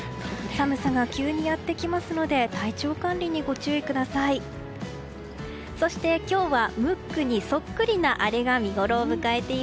寒さが急にやってきますので体調管理にご注意ください。